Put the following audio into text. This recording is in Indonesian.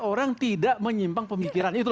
orang tidak menyimpang pemikiran itu